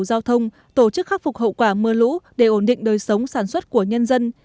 giao thông tổ chức khắc phục hậu quả mưa lũ để ổn định đời sống sản xuất của nhân dân